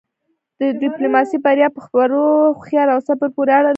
د ډیپلوماسی بریا په خبرو، هوښیارۍ او صبر پورې اړه لری.